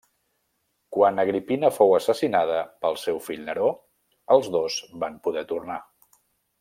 Quan Agripina fou assassinada pel seu fill Neró, els dos van poder tornar.